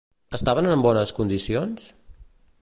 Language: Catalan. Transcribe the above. Estaven en bones condicions?